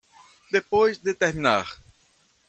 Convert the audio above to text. Depois de terminar